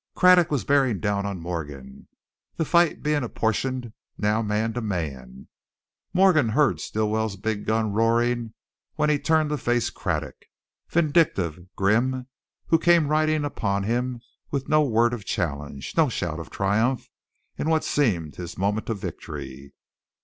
Craddock was bearing down on Morgan, the fight being apportioned now man to man. Morgan heard Stilwell's big gun roaring when he turned to face Craddock, vindictive, grim, who came riding upon him with no word of challenge, no shout of triumph in what seemed his moment of victory.